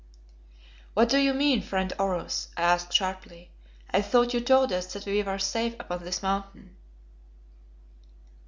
"What do you mean, friend Oros?" I asked sharply. "I thought you told us that we were safe upon this Mountain."